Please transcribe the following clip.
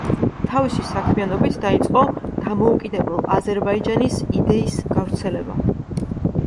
თავისი საქმიანობით დაიწყო „დამოუკიდებელ აზერბაიჯანის“ იდეის გავრცელება.